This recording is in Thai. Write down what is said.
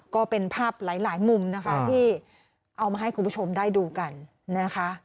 ก็เป็นภาพหลายมุมนะคะที่เอามาให้คุณผู้ชมได้ดูกันนะคะ